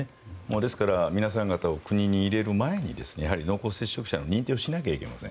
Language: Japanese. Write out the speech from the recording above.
ですから、皆さん方を国に入れる前にやはり濃厚接触者の認定をしなければいけません。